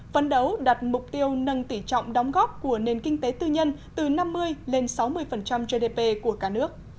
phấn đấu đặt mục tiêu nâng tỉ trọng đóng góp của nền kinh tế tư nhân từ năm mươi lên sáu mươi gdp của cả nước